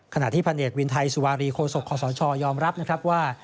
ขณะที่พันเอกวินไทยสุวารีโคศกคศยอมรับนะครับว่า